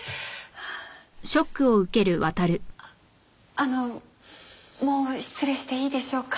あのもう失礼していいでしょうか？